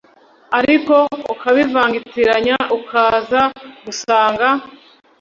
ariko ukabivangitiranya ukaza gusanga